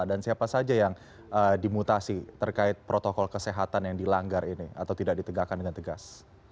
siapa saja yang dimutasi terkait protokol kesehatan yang dilanggar ini atau tidak ditegakkan dengan tegas